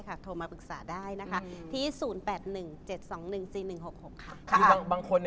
หมุนล่ะ